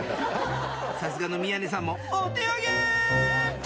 さすがの宮根さんもお手上げー。